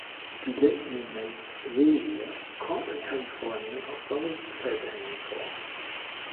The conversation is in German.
Die Lindley-Mentzelie kommt in Kalifornien auf sonnigen Felshängen vor.